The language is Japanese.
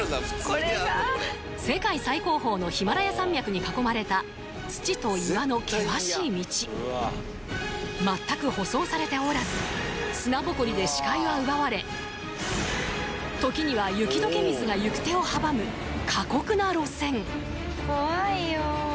世界最高峰のヒマラヤ山脈に囲まれた土と岩の険しい道全く舗装されておらず砂埃で視界は奪われ時には雪解け水が行く手を阻む過酷な路線怖いよ